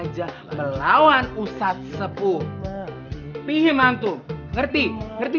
jangan sampai yang miskin